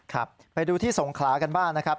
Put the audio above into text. ครับไปดูที่สงขลากันบ้างนะครับ